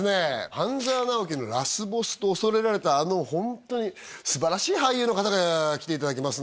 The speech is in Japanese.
「半沢直樹」のラスボスと恐れられたあのホントに素晴らしい俳優の方が来ていただきます